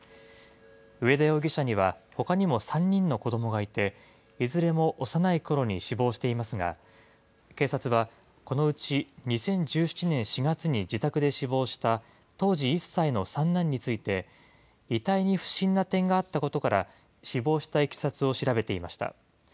上田容疑者にはほかにも３人の子どもがいて、いずれも幼いころに死亡していますが、警察は、このうち２０１７年４月に自宅で死亡した、当時１歳の三男について、遺体に不審な点があったことから、死亡したいきさつを調べていました。